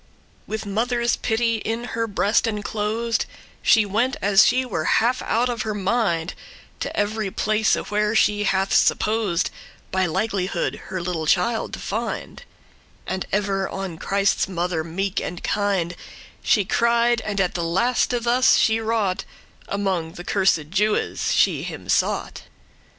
With mother's pity in her breast enclosed, She went, as she were half out of her mind, To every place, where she hath supposed By likelihood her little child to find: And ever on Christ's mother meek and kind She cried, and at the laste thus she wrought, Among the cursed Jewes she him sought.